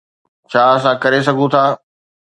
ڇا اسان ڪري سگهون ٿا؟